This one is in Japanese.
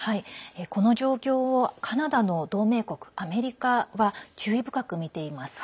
この状況をカナダの同盟国アメリカは注意深く見ています。